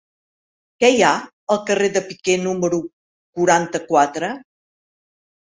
Què hi ha al carrer de Piquer número quaranta-quatre?